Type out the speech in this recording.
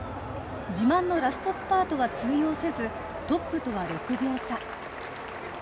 自慢のラストスパートは通用せずトップとは６秒差。